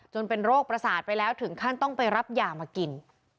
เป็นโรคประสาทไปแล้วถึงขั้นต้องไปรับยามากิน